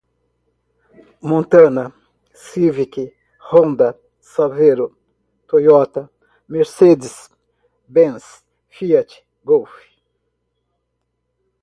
Montana, Civic, Honda, Savero, Toyota, Mercedez Bens, Fiat, Golf